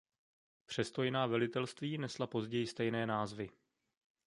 Přesto jiná velitelství nesla později stejné názvy.